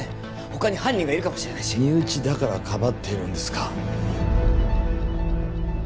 他に犯人がいるかもしれないし身内だからかばってるんですか？